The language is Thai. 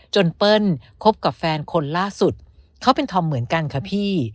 เปิ้ลคบกับแฟนคนล่าสุดเขาเป็นธอมเหมือนกันค่ะพี่